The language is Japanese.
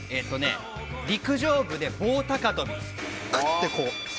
陸上部で棒高跳び。